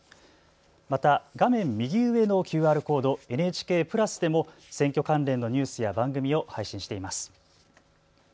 また、画面右上のＱＲコード、ＮＨＫプラスでも選挙関連ニュースや番組を配信しています。